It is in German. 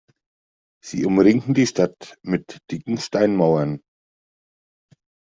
Sie umringten die Stadt mit dicken Steinmauern.